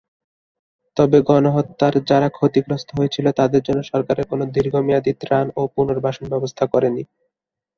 তবে গণহত্যার যারা ক্ষতিগ্রস্ত হয়েছিল তাদের জন্য সরকারের কোনো দীর্ঘমেয়াদি ত্রাণ ও পুনর্বাসন ব্যবস্থা করেনি।